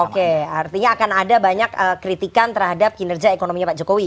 oke artinya akan ada banyak kritikan terhadap kinerja ekonominya pak jokowi